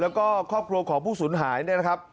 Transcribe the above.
แล้วก็ครอบครัวของผู้สูญหายเนี่ยนะครับ